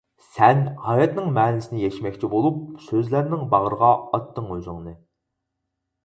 سەن ھاياتنىڭ مەنىسىنى يەشمەكچى بولۇپ، سۆزلەرنىڭ باغرىغا ئاتتىڭ ئۆزۈڭنى.